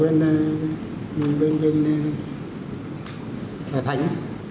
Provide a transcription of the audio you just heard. nhưng bên đây là thánh